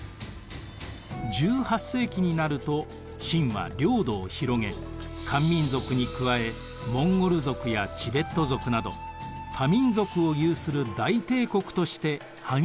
１８世紀になると清は領土を広げ漢民族に加えモンゴル族やチベット族など多民族を有する大帝国として繁栄を迎えます。